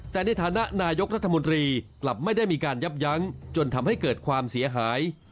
แต่ในฐานะนายกรัฐมนตรีกลับไม่ได้มีการยับยั้งจนทำให้เกิดความเสียหาย